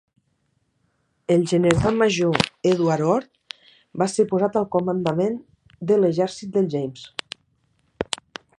El general major Edward Ord va ser posat al comandament de l'Exèrcit del James.